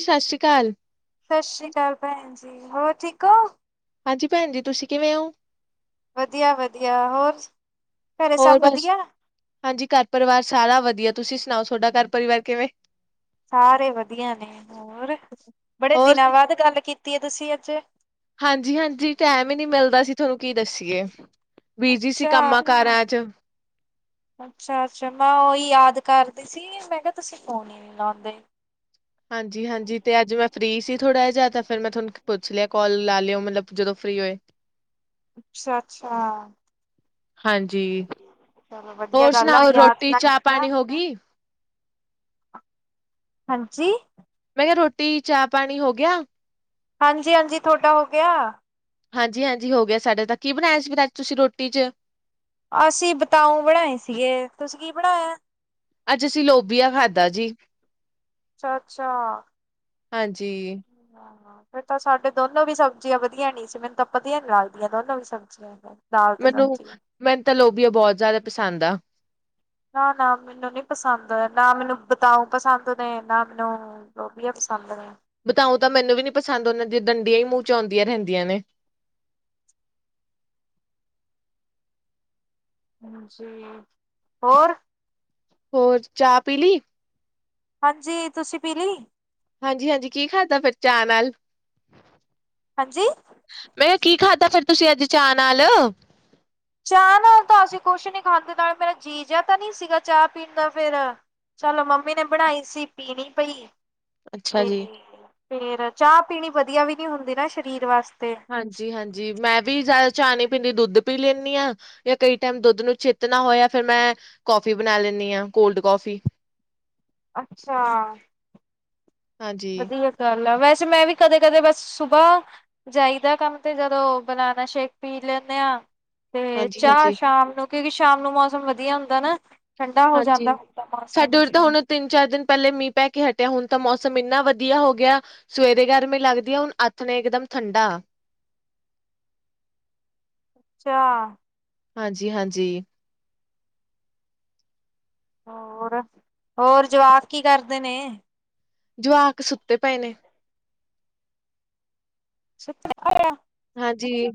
ਸਤਿ ਸ਼੍ਰੀ ਅਕਾਲ, ਸਤਿ ਸ੍ਰੀ ਅਕਾਲ ਭੈਣ ਜੀ ਹੋਰ ਠੀਕ ਹੋ? ਹਾਂਜੀ ਭੈਣ ਜੀ ਤੁਸੀਂ ਕਿਵੇਂ ਹੋਓ? ਵਧੀਆ ਵਧੀਆ ਹੋਰ ਘਰੇ ਹੋਰ ਸਭ ਬਸ ਵਧੀਆ ਹਾਂਜੀ ਘਰ ਪਰਿਵਾਰ ਸਾਰਾ ਵਧੀਆ ਤੁਸੀਂ ਸੁਣਾਓ ਤੁਹਾਡਾ ਘਰ ਪਰਿਵਾਰ ਕਿਵੇਂ? ਸਾਰੇ ਵਧੀਆ ਨੇ ਹੋਰ ਬੜੇ ਹੋਰ ਦਿਨਾਂ ਬਾਅਦ ਗੱਲ ਕੀਤੀ ਹੈ ਤੁਸੀਂ ਅੱਜ? ਹਾਂਜੀ ਹਾਂਜੀ ਟੈਮ ਹੀ ਨਹੀਮਿਲਦਾ ਅਸੀਂ ਤੁਹਾਨੂੰ ਕੀ ਦੱਸੀਏ ਬਿਜੀ ਸੀ ਅਛਾ ਕੰਮਾਂ ਕਾਰਾਂ ਚ ਅੱਛਾ ਅੱਛਾ ਮੈਂ ਉਹੀ ਯਾਦ ਕਰਦੇ ਸੀ ਮੈਂ ਕਿਹਾ ਤੁਸੀਂ ਫਨ ਲਾਉਂਦੇ ਹਾਂਜੀ-ਹਾਂਜੀ ਤੇ ਅੱਜ ਮੈਂ ਫ੍ਰਰੀ ਸੀ ਥੋੜ੍ਹਾ ਜਿਹਾ ਤਾ ਫਿਰ ਮੈਂ ਤੁਹਾਨੂੰ ਪੁੱਛ ਲਿਆ ਕਾਲ ਲਾ ਲਿਓ ਮਤਲਬ ਜਦੋਂ ਫ੍ਰਰੀ ਹੋਏ, ਅੱਛਾ-ਅੱਛਾ, ਹਾਂਜੀ ਵਧੀਆ ਹੋਰ ਗੱਲ ਆ ਸੁਣਾਓ ਯਾਦ ਰੋਟੀ ਤਾਂ ਚਾਹ ਕੀਤਾ ਪਾਣੀ ਹੋ ਗਈ? ਹਾਂਜੀ, ਮੈਂ ਰੋਟੀ ਚਾਹ ਪਾਣੀ ਹੋ ਗਿਆ। ਹਾਂਜੀ-ਹਾਂਜੀ ਥੋਡਾ ਹੋ ਗਿਆ। ਹਾਂਜੀ-ਹਾਂਜੀ ਹੋ ਗਿਆ ਸਾਡੇ ਤਾਂ ਕੀ ਬਣਾਇਆ ਸੀ ਅਜ ਤੁਸੀਂ ਰੋਟੀ ਚ? ਅਸੀਂ ਬਤਾਉ ਬਣਾਏ ਸੀਗੇ ਤੁਸੀਂ ਕੀ ਬਣਾਇਆ। ਅੱਜ ਅਸੀਂ ਲੋਬੀਆ ਖਾਧਾ ਜੀ, ਅੱਛਾ-ਅੱਛਾ, ਹਾਂਜੀ, ਹਾਂ ਫੇਰ ਤਾਂ ਸਾਡੇ ਦੋਨੋਂ ਵੀ ਸਬਜ਼ੀਆਂ ਵਧੀਆ ਨੀ ਸੀ ਮੈਨੂੰ ਤਾਂ ਵਧੀਆ ਨੀ ਲੱਗਦੀਆਂ ਦੋਨੋ ਵੀ ਸਬਜ਼ੀਆਂ, ਦਾਲ ਤੇ ਮੈਨੂੰ ਸਬਜ਼ੀ ਮੈਨ ਤਾਂਲ ਲੋਬੀਆ ਬਹੁਤ ਜ਼ਿਆਦਾ ਪਸੰਦ ਆ, ਨਾ-ਨਾ ਮੈਨੂੰ ਨੀ ਪਸੰਦ ਨਾ ਮੈਨੂੰ ਬਤਾਊ ਪਸੰਦ ਨੇ ਨਾ ਮੈਨੂੰ ਲੋਬੀਆਂ ਪਸੰਦ ਪਸੰਦ ਨੇ ਬਤਾਉ ਤਾਂ ਮੈਨੂੰ ਵੀ ਨੀ ਪਸੰਦ ਉਹਨਾਂ ਦੀਆਂ ਡੰਡੀਆਂ ਹੀ ਮੂੰਹ ਚ ਆਉਂਦੀਆਂ ਰਹਿੰਦੀਆਂ ਨੇ, [unintelligible] ਹਾਂਜੀ ਹੋਰ, ਹੋਰ ਚਾਹ ਪੀਲੀ? ਹਾਂਜੀ, ਤੁਸੀਂ ਪੀਲੀ? ਹਾਂਜੀ-ਹਾਂਜੀ, ਕੀ ਖਾਦਾ ਫੇਰ ਚਾਅ ਨਾਲ? ਹਾਂਜੀ, ਮੈਂ ਕਿਹਾ ਕੀ ਖਾਧਾ ਫਿਰ ਤੁਸੀਂ ਅੱਜ ਚਾਅ ਨਾਲ ਕੀ ਖਾਦਾ, ਚਾਹ ਨਾਲ ਤਾਂ ਅਸੀਂ ਕੁਛ ਨੀ ਖਾਂਦੇ ਨਾਲੇ ਮੇਰਾ ਜੀ ਜਿਹਾ ਤਾਂ ਨਹੀਂ ਸੀਗਾ ਚਾਹ ਪੀਣ ਦਾ ਫੇਰ ਚਲੋ ਮੰਮੀ ਨੇ ਬਣਾਈ ਸੀ ਪੀਣੀ ਪਈ ਅੱਛਾ ਤੇ ਜੀ। ਫੇਰ ਚਾਹ ਪੀਣੀ ਵਧੀਆ ਵੀ ਨੀ ਹੁੰਦੀ ਨਾ ਸਰੀਰ ਵਾਸਤੇ ਹਾਂਜੀ-ਹਾਂਜੀ ਮੈਂ ਵੀ ਜ਼ਿਆਦਾ, ਚਾਹ ਨੀ ਪੀਂਦੀ ਦੁੱਧ ਪੀ ਲੈਂਦੀ ਹਾਂ ਜਾਂ ਕਈ ਟਾਈਮ ਦੁੱਧ ਨੂੰ ਚੇਤਣਾ ਹੋਇਆ ਫਿਰ ਮੈਂ ਕੌਫੀ ਬਣਾ ਲੈਂਦੀ। ਆ ਕੋਲਡ ਕੌਫੀ, ਅੱਛਾ, ਹਾਂਜੀ, ਵਧੀਆ ਗੱਲ ਆ ਵੈਸੇ, ਅ ਮੈਂ ਵੀ ਕਦੇ ਕਦੇ ਬਸ ਸੁਬਾਹ ਜਾਈਦਾ ਕੰਮ ਤੇ ਜਦੋਂ ਬਨਾਨਾ ਸ਼ੇਕ ਪੀ ਲੈਂਦੇ ਹਾਂ, ਤੇ ਚਾਹ ਹਾਂਜੀ-ਹਾਂਜੀ, ਹਾਂਜੀ। ਸ਼ਾਮ ਨੂੰ ਕਿਉਂਕਿ ਸ਼ਾਮ ਨੂੰ ਮੌਸਮ ਵਧੀਆ ਹੁੰਦਾ ਨਾ, ਠੰਡਾ ਹੋ ਹਾਂਜੀ ਜਾਂਦਾ ਹੁੰਦਾ ਮੌਸਮ ਸਾਡੇ ਵਰ ਤਾਂ ਹੁਣ ਤਿੰਨ ਚਾਰ ਦਿਨ ਪਹਿਲੇ ਮੀਂਹ ਪੈ ਕੇ ਹਟਿਆ ਹੁਣ, ਤਾਂ ਮੌਸਮ ਇੰਨਾ ਵਧੀਆ ਹੋ ਗਿਆ ਸਵੇਰੇ ਗਰਮ ਲੱਗਦੀ ਆ ਹੁਣ ਆਥਣੇ ਨੇ ਇਕਦਮ ਠੰਡਾ, ਅੱਛਾ, ਹਾਂਜੀ-ਹਾਂਜੀ, ਹੋਰ-ਹੋਰ, ਜਵਾਕ ਕੀ ਕਰਦੇ ਨੇ? ਜਵਾਕ ਸੁੱਤੇ ਪਏ ਨੇ, ਸੱ ਹਾਂਜੀ,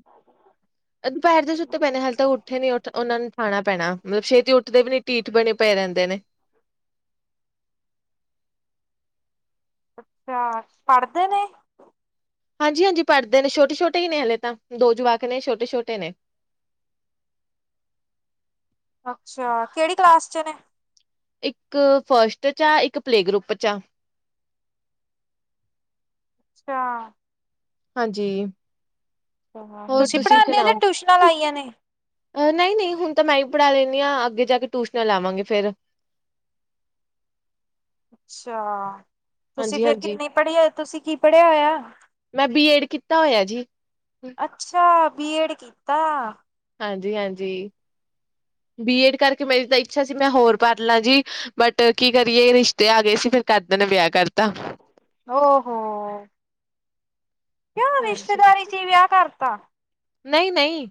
ਦੁਪਹਿਰ ਦੇ ਸੁੱਤੇ ਪੈਣੇ ਹਾਲੇ ਤੱਕ ਉੱਠੇ ਨੀ ਉਹਨਾ ਨੂੰ ਠਾਣਾ ਪੈਣਾ ਮਤਲਬ ਛੇਤੀ ਉਠ ਦੇ ਵੀ ਨੀ ਡਿਠ ਬਣੇ ਪਏ ਰਹਿੰਦੇ ਨੇ ਅੱਛਾ ਪੜ੍ਹਦੇ ਨੇ, ਹਾਂਜੀ-ਹਾਂਜੀ ਪੜ੍ਹਦੇ ਨੇ ਛੋਟੇ-ਛੋਟੇ ਹੀ ਨੇ ਹਲੇ ਤਾਂ ਦੋ ਜਵਾਕ ਨੇ ਛੋਟੇ-ਛੋਟੇ ਨੇ, ਅੱਛਾ, ਕਿਹੜੀ ਕਲਾਸ ਚ ਨੇ ਇੱਕ ਫਸਟ ਚ ਆ ਇੱਕ ਪਲੇ ਗਰੁੱਪ ਚ ਆ। ਅੱਛਾ ਹਾਂਜੀ ਹੋਰ ਤੁਸੀਂ ਪੜ੍ਹਾਉਦੇ ਹੋ ਜਾਂ ਸੁਣਾਓ। ਟਿਊਸ਼ਨਾਂ ਲਾਈਆਂ ਨੇ। ਨਹੀਂ ਨਹੀਂ ਹੁਣ ਤਾਂ ਮੈਂ ਵੀ ਪੜ੍ਹਾ ਲੈਂਦੀ ਹਾਂ ਅੱਗੇ ਜਾ ਕੇ ਟਿਊਸ਼ਨਾਂ ਲਾਵਾਂਗੇ ਫਿਰ ਅੱਛਾ ਤੁਸੀਂ ਹਾਂਜੀ ਫਿਰ ਹਾਂਜੀ। ਕਿੰਨੀ ਪੜ੍ਹੀ ਤੁਸੀਂ ਕੀ ਪੜ੍ਹਿਆ ਹੋਇਆ? ਮੈਂ ਬੀਏਡ ਕੀਤਾ ਹੋਇਆ ਜੀ। ਅੱਛਾ ਬੀ ਏਡ ਕੀਤਾ। ਹਾਂਜੀ ਹਾਂਜੀ ਬੀਏਡ ਕਰਕੇ ਮੇਰੀ ਤਾਂ ਇੱਛਾ ਸੀ ਮੈਂ ਹੋਰ ਪੜ੍ਹ ਲਾਂ ਜੀ ਬਟ ਕੀ ਕਰੀਏ ਰਿਸ਼ਤੇ ਆ ਗਏ ਸੀ ਫਿਰ ਘਰ ਦਿਆਂ ਨੇ ਵਿਆਹ ਕਰਤਾ। ਓਹੋ ਕਿਉਂ ਰਿਸ਼ਤੇਦਾਰੀ ਚ ਵਿਆਹ ਕਰਤਾ। ਨਹੀਂ ਨਹੀਂ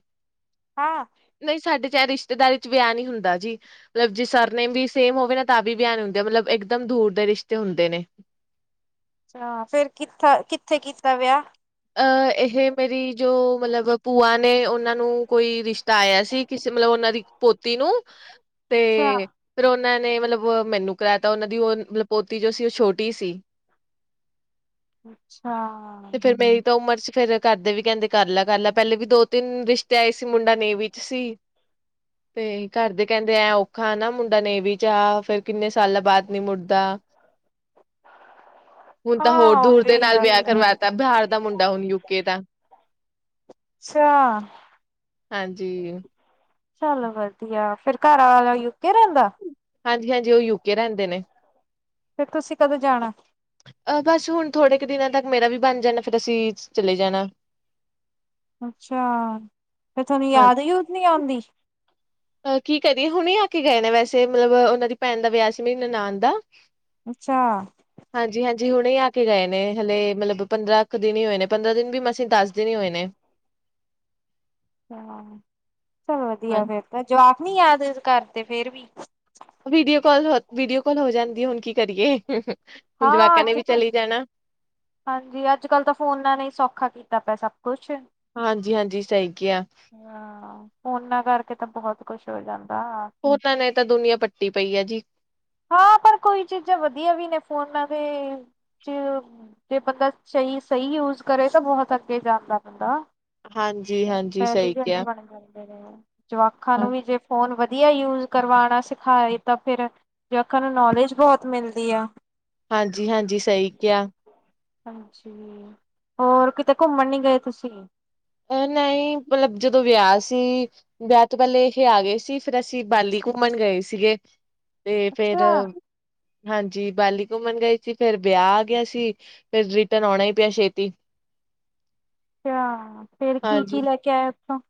ਹਾਂ ਨਹੀਂ ਸਾਡੇ ਚ ਏ ਰਿਸ਼ਤੇਦਾਰੀ ਚ ਵਿਆਹ ਨਹੀਂ ਹੁੰਦਾ ਜੀ ਮਤਲਬ ਜੇ ਸਰ ਨੇਮ ਵੀ ਸੇਮ ਹੋਵੇ ਨਾ ਤਾਂ ਵੀ ਵਿਆਹ ਨਹੀਂ ਹੁੰਦਾ। ਮਤਲਬ ਇਕ ਦਮ ਦੂਰ ਦੇ ਰਿਸ਼ਤੇ ਹੁੰਦੇ ਨੇ। ਅੱਛਾ ਫਿਰ ਕਿੱਥਾ ਕਿੱਥੇ ਕੀਤਾ ਵਿਆਹ? ਅਹ ਇਹ ਮੇਰੀ ਜੋ ਮਤਲਬ ਭੂਆ ਨੇ ਉਹਨਾਂ ਨੂੰ ਕੋਈ ਰਿਸ਼ਤਾ ਆਇਆ ਸੀ ਕਿਸੇ ਮਤਲਬ ਉਹਨਾਂ ਦੀ ਪੋਤੀ ਨੂੰ ਤੇ ਅੱਛਾ ਫਿਰ ਉਹ ਉਹਨਾਂ ਨੇ ਮਤਲਬ ਮੈਨੂੰ ਕਰਾਇਆ ਤਾ ਉਹਨਾਂ ਦੀ ਉਹ ਮਤਲਬ ਪੋਤੀ ਜੋ ਸੀ ਉਹ ਛੋਟੀ ਸੀ। ਅੱਛਾ ਤੇ ਫੇਰ ਮੇਰੀ ਉਮਰ ਚ ਫੇਰ ਘਰਦੇ ਵੀ ਕਹਿੰਦੇ ਕਰ ਲੈ ਕਰਲੈ ਪਹਿਲੇ ਵੀ ਦੋ ਤਿੰਨ ਰਿਸ਼ਤੇ ਆਏ ਸੀ ਮੁੰਡਾ ਨੇਵੀ ਚ ਸੀ। ਤੇ ਘਰਦੇ ਕਹਿੰਦੇ ਐ ਔਖਾ ਨਾ ਮੁੰਡਾ ਨੇਵੀ ਚ ਆ ਫੇਰ ਕਿੰਨੇ ਸਾਲਾਂ ਬਾਅਦ ਨੀ ਮੁੜਦਾ ਹੁਣ ਤਾਂ ਹੋਰ ਹਾਂ ਉਹ ਦੂਰ ਦੇ ਵੀ ਨਾਲ ਵਿਆਹ ਗੱਲ ਆ ਕਰਵਾਤਾ ਬਿਹਾਰ ਦਾ ਮੁੰਡਾ ਹੁਣ ਯੂਕੇ ਦਾ ਅੱਛਾ ਹਾਂਜੀ। ਚੱਲੋ ਵਧੀਆ ਫੇਰ ਘਰ ਵਾਲਾ ਯੁਕੇ ਰਹਿੰਦਾ? ਹਾਂਜੀ ਹਾਂਜੀ ਉਹ ਯੂਕੇ ਰਹਿੰਦੇ ਨੇ। ਫਿਰ ਤੁਸੀਂ ਕਦੋਂ ਜਾਣਾ? ਅਹ ਬਸ ਹੁਣ ਥੋੜੇ ਕੁ ਦਿਨਾਂ ਤੱਕ ਮੇਰਾ ਵੀ ਬਣ ਜਾਣਾ ਫਿਰ ਅਸੀਂ ਚਲੇ ਜਾਣਾ, ਅੱਛਾ ਫੇਰ ਤੁਹਾਨੂੰ ਯਾਦ ਯੂਦ ਨੀ ਆਉਂਦੀ। ਅਹ ਕੀ ਕਰੀਏ ਹੁਣੇ ਆ ਕੇ ਗਏ ਨੇ ਵੈਸੇ ਮਤਲਬ ਉਹਨਾਂ ਦੀ ਭੈਣ ਦਾ ਵਿਆਹ ਸੀ ਮੇਰੀ ਨਨਾਨ ਦਾ, ਅੱਛਾ ਹਾਂਜੀ ਹਾਂਜੀ ਹੁਣੇ ਆ ਕੇ ਗਏ ਨੇ ਹਲੇ ਮਤਲਬ ਪੰਦਰਾਂ ਇੱਕ ਦਿਨ ਹੀ ਹੋਏ ਨੇ ਪੰਦਰਾਂ ਦਿਨ ਵੀ ਮਸਾਂ ਹੀ ਦੱਸ ਦਿਨ ਹੀ ਹੋਏ ਨੇ। ਹਾਂ ਚੱਲ ਵਧੀਆ ਫਿਰ ਤਾਂ ਜਵਾਕ ਨੀ ਯਾਦ ਕਰਦੇ ਫੇਰ ਵੀ ਵੀਡੀਓ ਕਾਲ ਹੋ ਵੀਡੀਓ ਕਾਲ ਹੋ ਜਾਂਦੀ ਹੈ ਹੁਣ ਕੀ ਕਰੀਏ ਹੁਣ ਹਾਂ, ਜਵਾਕਾਂ ਨੇ ਅੱਜ ਵੀ ਚਲੀ ਜਾਣਾ ਹਾਂਜੀ, ਅੱਜ ਕੱਲ੍ਹ ਤਾਂ ਫੋਨਾਂ ਨੇ ਸੌਖਾ ਕੀਤਾ ਪਿਆ ਸਭ ਕੁਛ ਹਾਂਜੀ ਹਾਂਜੀ ਸਹੀ ਕਿਹਾ ਹਾਂ ਫੋਨਾਂ ਕਰਕੇ ਤਾਂ ਬਹੁਤ ਕੁਛ ਹੋ ਜਾਂਦਾ। ਫੋਨਾਂ ਨੇ ਤਾਂ ਨਹੀਂ ਤਾਂ ਦੁਨੀਆਂ ਪੱਟੀ ਪਈ ਆ ਜੀ। ਹਾਂ ਪਰ ਕੋਈ ਚੀਜ਼ਾਂ ਵਧੀਆ ਵੀ ਨੇ ਫੋਨਾਂ ਤੇ ਜੇ ਬੰਦਾ ਸਹੀ ਸਹੀ ਯੂਜ ਕਰੇ ਤਾਂ ਬਹੁਤ ਅੱਗੇ ਜਾਂਦਾ ਬੰਦਾ। ਹਾਂਜੀ ਹਾਂਜੀ ਸਹੀ ਇੰਟੈਲੀਜੈਂਟ ਕਿਹਾ। ਬਣ ਜਾਂਦੇ ਨੇ ਜਵਾਕਾਂ ਨੂੰ ਵੀ ਜੇ ਫੋਨ ਵ ਵਧੀਆ ਯੂਜ ਕਰਵਾਉਣਾ ਸਿਖਾਏ ਤਾਂ ਫਿਰ ਜੁਆਕਾਂ ਨੂੰ ਨੌਲੇਜ ਬਹੁਤ ਮਿਲਦੀ ਆ। ਹਾਂਜੀ ਹਾਂਜੀ ਸਹੀ ਕਿਹਾ ਹਾਂਜੀ ਹੋਰ ਕਿਤੇ ਘੁੰਮਣ ਨਹੀਂ ਗਏ ਤੁਸੀਂ? ਇਹ ਨਹੀਂ ਮਤਲਬ ਜਦੋਂ ਵਿਆਹ ਸੀ। ਅਸੀਂ ਵਿਆਹ ਤੋਂ ਪਹਿਲੇ ਇਹ ਆ ਗਏ ਸੀ ਫਿਰ ਅਸੀਂ ਬਾਲੀ ਘੁੰਮਣ ਗਏ ਸੀਗੇ। ਤੇ ਫੇਰ ਅੱਛਾ, ਹਾਂਜੀ ਬਾਲੀ ਘੁੰਮਣ ਗਏ ਸੀ ਫਿਰ ਵਿਆਹ ਆ ਗਿਆ ਸੀ ਫੇਰ ਰਿਟਰਨ ਆਉਣਾ ਹੀ ਪਿਆ ਛੇਤੀ। ਅੱਛਾ ਫੇਰ ਕੀ ਕੀ ਲੈ ਕੇ ਆਇਆ ਉਥੋਂ?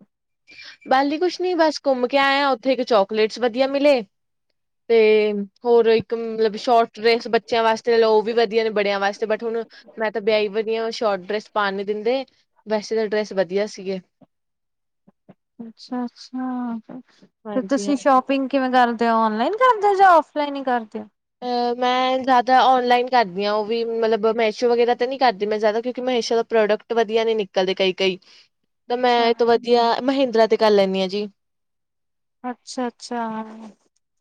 ਬੱਲੀ ਕੁਛ ਨੀ ਬਸ ਘੁੰਮ ਕੇ ਆਏਆ ਉੱਥੇ ਇੱਕ ਚੋਕਲੇਟਸ ਵਧੀਆ ਮਿਲੇ, ਤੇ ਹੋਰ ਇੱਕ ਮਤਲਬ ਸ਼ੋਰਟ ਡੇਸ ਬੱਚਿਆਂ ਵਾਸਤੇ ਉਹ ਵੀ ਵਧੀਆ ਨੇ ਬੜਿਆਂ ਵਾਸਤੇ ਬਟ ਹੁਣ, ਮੈਂ ਤਾਂ ਵਿਆਹੀ ਵਰੀ ਆ ਸ਼ੋਟ ਡਰੈਸ ਪਾਣ ਨੀ ਦਿੰਦੇ ਵੈਸੇ ਤਾਂ ਡਰੈਸ ਵਧੀਆ ਸੀਗੀਆ। [inaudible] ਅੱਛਾ-ਅੱਛਾ ਫੇਰ ਹਾਂਜੀ ਤੁਸੀਂ ਹਾਂਜੀ ਸ਼ੋਪਿੰਗ ਕਿਵੇਂ ਕਰਦੇ? ਤੇ ਔਨਲਾਈਨ ਕਰਦੇ ਜਾਂ ਫਲਾਈਨ ਹੀ ਕਰਦੇ ਆ? ਮੈਂ ਜ਼ਿਆਦਾ ਔਨਲਾਈਨ ਕਰਦੀ ਹਾਂ, ਵੀ ਮਤਲਬ ਮੈਸ਼ੋ ਵਗੈਰਾ ਤਾਂ ਨੀ ਕਰਦੀ ਮੈਂ ਜ਼ਿਆਦਾ ਕਿਉਂਕਿ ਮਹੇਸ਼ਾ ਦਾ ਪ੍ਰੋਡਕਟ ਵਧੀਆ ਨੀ ਨਿਕਲਦੇ ਕਈ ਕਈ, ਤਾਂ ਮੈਂ ਅੱਛਾ, ਇਹ ਤੋਂ ਵਧੀਆ ਮਹਿੰਦਰਾ ਤੇ ਕਰ ਲੈਂਦੀ ਹਾਂ ਜੀ, ਅੱਛਾ-ਅੱਛਾ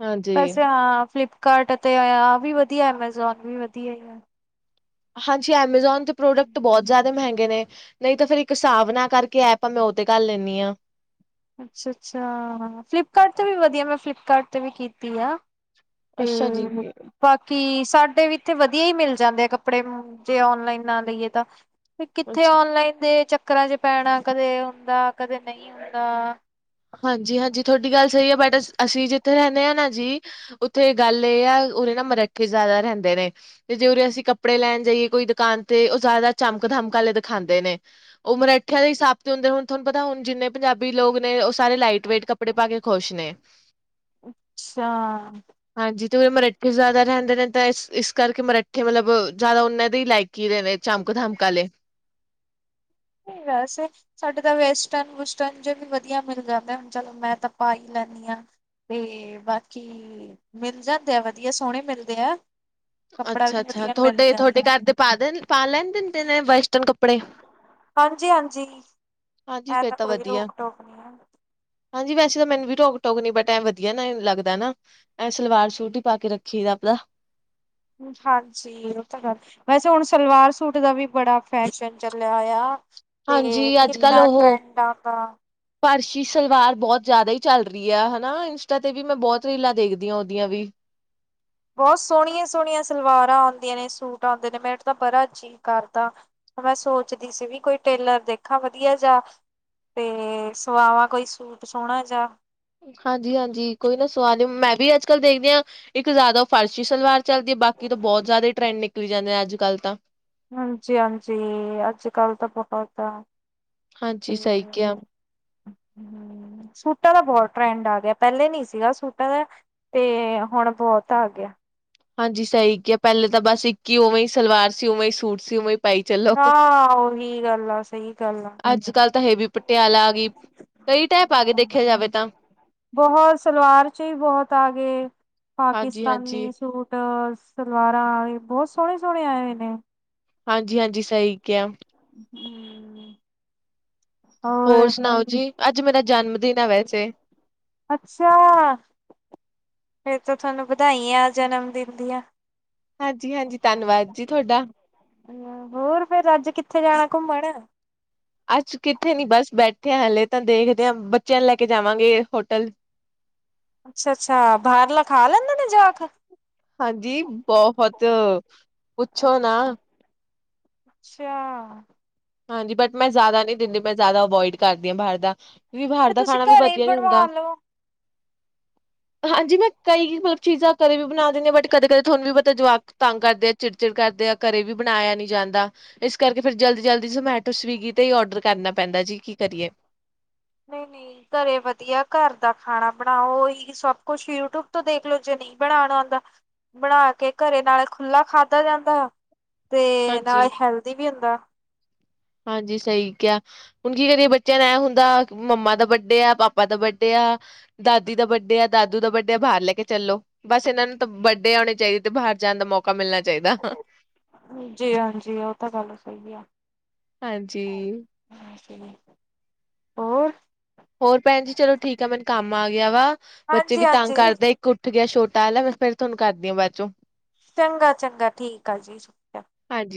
ਹਾਂਜੀ ਵੈਸੇ ਹਾਂ ਫਲਪ ਕਾਰਟ ਅਤੇ ਆਹ ਵੀ ਵਧੀਆ ਐਮਾਜ਼ੋਨ ਵੀ ਵਧੀਆ ਆ। ਹਾਂਜੀ ਐਮਾਜ਼ੋਨ ਤੇ ਪ੍ਰੋਡਕਟ ਬਹੁਤ ਜ਼ਿਆਦਾ ਮਹਿੰਗੇ ਨੇ ਨਹੀਂ ਤਾਂ ਫੇਰ ਇੱਕ ਹਿਸਾਬ ਨਾਲ ਕਰਕੇ ਆ ਆਪਾਂ ਮੈਂ ਉਹ ਤੇ ਕਰ ਲੈਂਦੀ ਹਾਂ ਅੱਛਾ-ਅੱਛਾ ਹਾਂ ਫਲਿੱਪਕਾਰਟ 'ਤੇ ਵੀ ਵਧੀਆ ਮੈਂ ਫਲਿੱਪਕਾਰਟ 'ਤੇ ਵੀ ਕੀਤੀ ਆ। ਅੱਛਾ ਜੀ, ਕਿ ਸਾਡੇ ਵੀ ਇੱਥੇ ਵਧੀਆ ਹੀ ਮਿਲ ਜਾਂਦੇ ਆ ਕੱਪੜੇ ਜੇ ਔਨਲਾਈਨ ਨਾ ਲਈਏ ਤਾਂ, ਤੇ ਕਿੱਥੇ ਅੱਛਾ ਔਨਲਾਈਨ ਦੇ ਚੱਕਰਾਂ ਚ ਪੈਣਾ ਕਦੇ ਹੁੰਦਾ ਕਦੇ ਨਹੀਂ ਹੁੰਦਾ। ਹਾਂਜੀ-ਹਾਂਜੀ ਤੁਹਾਡੀ ਗੱਲ ਸਹੀ ਆ ਬਟ ਅਸੀਂ ਜਿੱਥੇ ਰਹਿੰਦੇ ਹਾਂ ਨਾ ਜੀ ਉੱਥੇ ਗੱਲ ਇਹ ਆ। ਨਾ ਮਰੱਖੇ ਜਿਆਦਾ ਰਹਿੰਦੇ ਨੇ ਤੇ ਜੇ ਉਹਦੇ ਅਸੀਂ ਕੱਪੜੇ ਲੈਣ ਜਾਈਏ ਕੋਈ ਦੁਕਾਨ ਤੇ ਉਹ ਜ਼ਿਆਦਾ ਚਮਕ ਦਮਕ ਕੇ ਦਿਖਾਉਂਦੇ ਨੇ ਉਹ ਮਰਾਠਿਆਂ ਦੇ ਹੀ ਸਾਬ ਤੇ ਹੁੰਦੇ ਹੁਣ ਤੁਹਾਨੂੰ ਪਤਾ ਹੁਣ ਜਿੰਨੇ ਪੰਜਾਬੀ ਲੋਕ, ਨੇ ਉਹ ਸਾਰੇ ਲਾਈਟ ਵੇਟ ਕੱਪੜੇ ਪਾ ਕੇ ਖ਼ੁਸ਼ ਨੇ, ਅੱਛਾ। ਹਾਂਜੀ ਤੇ ਉਰੇ ਮਰੱਠੇ ਜ਼ਿਆਦਾ ਰਹਿੰਦੇ ਨੇ ਤਾਂ ਇਸ ਇਸ ਕਰਕੇ ਮਰੱਠੇ ਮਤਲਬ ਜ਼ਿਆਦਾ ਉਹਨਾਂ ਦੇ ਲਾਇਕ ਹੀ ਨੇ ਚਮਕ ਧਮਕ ਆਲੇ [unintelligible] ਵੈਸੇ ਸਾਡੇ ਤਾਂ ਵੈਸਟਰਨ ਵਸਟਰਨ ਜੇ ਵੀ ਵਧੀਆ ਮਿਲ ਜਾਂਦਾ ਹੁਣ ਚਲੋ ਮੈਂ ਤਾਂ ਪਾਈ ਲ ਤੇ ਬਾਕੀ ਮਿਲ ਜਾਂਦੇ ਆ ਵਧੀਆ ਸੋਹਣੇ ਮਿਲਦੇ ਆ। ਕੱਪੜਾ ਵੀ ਅੱਛਾ-ਅੱਛਾ, ਵਧੀਆ ਮਿਲ ਤੁਹਾਡੇ ਤੁਹਾਡੇ ਜਾਂਦਾ ਘਰ ਦੇ ਪਾ ਪਾ ਲੈਣ ਦਿੰਦੇ ਨੇ ਵੈਸਟਰਨ ਕੱੜ ਹਾਂਜੀ-ਹਾਂਜੀ ਹਾਂਜੀ ਇਹ ਫੇਰ ਤਾਂ ਕੋਈ ਵਧੀਆ ਰੋਕ ਟੋਕ ਨਹੀਂ ਹੈ। ਹਾਂਜੀ ਵੈਸੇ ਤਾਂ ਮੈਨੂੰ ਵੀ ਰੋਕ ਟੋਕ ਨੀ ਬਟ ਐਂ ਵਧੀਆ ਨਾ ਲੱਗਦਾ ਨਾ ਐਂ ਸਲਵਾਰ ਸੂਟ ਹੀ ਪਾ ਕੇ ਰੱਖੀ ਦਾ ਆਪਦਾ। ਹ ਹਾਂਜੀ ਉਹ ਤਾਂ ਗੱਲ ਵੈਸੇ ਹੁਣ ਸਲਵਾਰ ਸੂਟ ਦਾ ਵੀ ਬੜਾ ਫੈਸ਼ਨ ਚੱਲਿਆ ਹੋਇਆ। ਤੇ ਹਾਂਜੀ ਕਿੰਨਾ ਟਰੈਂਡ ਆਦਾ, ਪਰਸ਼ੀ ਸਲਵਾਰ ਬਹੁਤ ਜ਼ਿਆਦਾ ਹੀ ਚੱਲ ਰਹੀ ਹੈ ਹਨਾ ਇੰਸਟਾ ਤੇ ਵੀ ਮੈਂ ਬਹੁਤ ਰੀਲਾਂ ਦੇਖਦੀ ਹਾਂ ਉਹਦੀਆਂ ਵੀ, ਹ ਬਹੁਤ ਸੋਹਣੀਆਂ ਸੋਹਣੀਆਂ ਸਲਵਾਰਾਂ ਆਉਂਦੀਆਂ ਨੇ ਸੂਟ ਆਉਂਦੇ ਨੇ ਮੈਂ ਤਾਂ ਬੜਾ ਚੀਅ ਕਰਦਾ ਮੈਂ ਸੋਚਦੀ ਸੀ ਵੀ ਕੋਈ ਟੇਲਰ ਦੇਖਾਂ ਵਧੀਆ ਜਾ, ਤੇ ਸਵਾਵਾਂ ਕੋਈ ਸੂਟ ਸੋਹਣਾ ਜਾ, ਹਾਂਜੀ-ਹਾਂਜੀ ਕੋਈ ਨਾ ਸਵਾਦ ਨਹੀਂ ਮੈਂ ਵੀ ਅੱਜ ਕੱਲ ਦੇਖਦੀ ਹਾਂ ਇੱਕ ਜ਼ਿਆਦਾ ਫਰਸ਼ੀ ਸਲਵਾਰ ਚੱਲਦੀ ਐ ਬਾਕੀ ਤੋਂ ਬਹੁਤ ਜ਼ਿਆਦਾ ਹੀ ਟਰੈਂਡ ਨਿਕਲੀ ਜਾਂਦੇ ਆ ਅੱਜ ਕੱਲ੍ਹ ਤਾਂ, ਹਾਂਜੀ-ਹਾਂਜੀ ਅੱਜ-ਕੱਲ ਤਾਂ ਬਹੁਤ ਤੇ ਹਾਂਜੀ ਸਹੀ ਕਿਹਾ। ਹੂੰ [inaudible] ਸੂਟਾਂ ਦਾ ਬਹੁਤ ਟਰੈਂਡ ਆ ਗਿਆ ਪਹਿਲੇ ਨੀ ਸੀਗਾ ਸੂਟਾਂ ਦਾ ਤੇ ਹੁਣ ਬਹੁਤ ਆ ਗਿਆ। ਹਾਂਜੀ ਸਹੀ ਕਿਹਾ ਪਹਿਲੇ ਤਾਂ ਬਸ ਇੱਕ ਹੀ ਉਵੇਂ ਹੀ ਸਲਵਾਰ ਸੀ ਉਵੇਂ ਹੀ ਸੂਟ ਸੀ ਉਵੇਂ ਹੀ ਭਾਈ ਚਲੋ, ਹਾਂ ਉਹੀ ਗੱਲ ਆ ਸਹੀ ਗੱਲ ਆ। ਅੱਜ ਕੱਲ ਤਾਂ ਇਹ ਵੀ ਪਟਿਆਲਾ ਆ ਗਈ ਕਈ ਟਾਈਪ ਆ ਗਏ ਦੇਖਿਆ ਜਾਵੇ ਤਾਂ, ਬਹੁਤ ਸਲਵਾਰ ਚ ਹੀ ਬਹੁਤ ਆ ਗਏ। ਹਾਂਜੀ ਹਾਂਜੀ ਪਾਕਿਸਤਾਨੀ ਸੂਟ ਸਲਵਾਰਾਂ ਬਹੁਤ ਸੋਹਣੇ ਸੋਹਣੇ ਆਏ ਹੋਏ ਨੇ ਹਾਂਜੀ-ਹਾਂਜੀ ਸਹੀ ਕਿਆ ਹੂੰ [unintelligible] ਹੋਰ ਸੁਣਾਓ ਜੀ ਅੱਜ ਮੇਰਾ ਜਨਮ ਦਿਨ ਹੈ ਵੈਸੇ। ਅੱਛਾ- ਫਿਰ ਤਾਂ ਤੁਹਾਨੂੰ ਵਧਾਈਆ ਜਨਮ ਦਿਨ ਦੀਆਂ ਹਾਂਜੀ- ਹਾਂਜੀ ਧੰਨਵਾਦ ਜੀ ਤੁਹਾਡਾ। ਹੋਰ ਫਿਰ ਅੱਜ ਕਿੱਥੇ ਜਾਣਾ ਘੁੰਮਣ? ਅੱਜ ਕਿੱਥੇ ਨੀ ਬਸ ਬੈਠੇ ਬੈਠੇ ਹਲੇ ਤਾਂ ਦੇਖਦੇ ਹਾਂ ਬੱਚਿਆਂ ਨੂੰ ਲੈ ਕੇ ਜਾਵਾਂਗੇ ਹੋਟਲ। ਅੱਛਾ-ਅੱਛਾ ਬਾਹਰਲਾ ਖਾ ਲੈਂਦੇ ਨੇ ਜਵਾਕ? ਹਾਂਜੀ ਬਹੁਤ, ਪੁੱਛੋ ਨਾ। ਅੱਛਾ ਹਾਂਜੀ ਬਟ ਮੈਂ ਜ਼ਿਆਦਾ ਨਹੀਂ ਦਿੰਦੀ ਮੈਂ ਜ਼ਿਆਦਾ ਅਵੋਇਡ ਕਰਦੀ ਹਾਂ ਬਾਹਰ ਦਾ। ਤੇ ਬਾਹਰ ਦਾ ਤੁਸੀਂ ਖਾਣਾ ਵੀ ਘਰੇ ਵਧੀਆ ਨੀ ਬਣਵਾ ਹੁੰਦਾ। ਲਓ। ਹਾਂਜੀ ਮੈਂ ਕਈ ਮਤਲਬ ਚੀਜ਼ਾਂ ਕਦੇ ਵੀ ਬਣਾ ਦਿੰਦੀ ਹਾਂ ਬਟ ਕਦੇ ਕਦੇ ਤੁਹਾਨੂੰ ਵੀ ਪਤਾ ਜਵਾਕ ਤੰਗ ਕਰਦੇ ਆ ਚਿੜਚਿੜ ਕਰਦੇ ਆ ਘਰੇ ਵੀ ਬਣਾਇਆ ਨਹੀ ਜਾਂਦਾ ਇਸ ਕਰਕੇ ਫਿਰ ਜਲਦੀ-ਜਲਦੀ। ਜੋਮੈਟੋ ਸਵਿਗੀ ਤੇ ਹੀ ਆਰਡਰ ਕਰਨਾ ਪੈਂਦਾ ਜੀ ਕੀ ਕਰੀਏ। ਨਹੀਂ- ਨਹੀਂ ਘਰੇ ਵਧੀਆ ਘਰ ਦਾ ਖਾਣਾ ਬਣਾਓ ਹੀ ਸਭ ਕੁਛ ਯੂਟਿਊਬ ਤੋਂ ਦੇਖਲਓ ਜੇ ਨਹੀਂ ਬਣਾਣਾ ਆਉਂਦਾ ਬਣਾ ਕੇ ਘਰੇ ਨਾਲੇ ਖੁੱਲਾ ਖਾਧਾ ਜਾਂਦਾ ਤੇ ਹਾਂਜੀ। ਨਾਲੇ ਹੈਲਥ ਦਾ [unintelligible] ਹਾਂਜੀ ਸਹੀ ਕੇਹਾ ਆ ਹੁਣ ਕੀ ਕਰੀਏ ਬੱਚਿਆਂ ਨੂੰ ਐ ਹੁੰਦਾ ਮੰਮਾ ਦਾ ਬਰਡੇ ਆ ਪਾਪਾ ਦਾ ਬਰਡੇ ਆ ਦਾਦੀ ਦਾ ਬਰੜੇ ਆ, ਦਾਦੂ ਦਾ ਬਰੜੇ ਆ, ਬਾਹਰ ਲੈ ਕੇ ਚੱਲੋ, ਬਸ ਇਹਨਾਂ ਨੂੰ ਤਾਂ ਬਰੜੇ ਆਉਣੇ ਚਾਹੀਦੇ। ਬਾਹਰ ਜਾਣ ਦਾ ਮੌਕਾ ਮਿਲਣਾ। ਚਾਹੀਦਾ ਜੀ, ਹਾਂਜੀ, ਉਹ ਤਾਂ ਗੱਲ ਸਹੀ ਆ। ਹਾਂਜੀ ਹੋਰ ਹੋਰ ਭੈਣ ਜੀ ਚਲੋ ਠੀਕ ਆ ਮੈਨੂੰ ਕੰਮ ਆ ਗਿਆ ਵਾ ਬੱਚੇ ਵੀ ਤੰਗ ਹਾਂਜੀ-ਹਾਂਜੀ ਕਰਦੇ ਇੱਕ ਉੱਠ ਗਿਆ ਛੋਟੇ [inaudible] ਮੈਂ ਫਿਰ ਤੁਹਾਨੂੰ ਕਰਦੀ ਆ ਬਾਅਦ ਚੋਂ ਚੰਗਾ- ਚੰਗਾ ਠੀਕ ਆ ਜੀ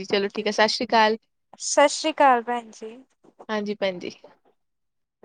ਚਲੋ ਹਾਂਜੀ ਠੀਕ ਹੈ ਸਤਿ ਸ੍ਰੀ ਅਕਾਲ ਸਤਿ ਸ੍ਰੀ ਅਕਾਲ ਭੈਣ ਜੀ [inaudible]